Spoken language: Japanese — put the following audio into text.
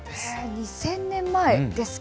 ２０００年前ですか。